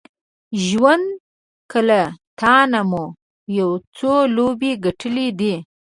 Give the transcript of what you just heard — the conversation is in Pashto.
ژونده که له تانه مو یو څو لوبې ګټلې دي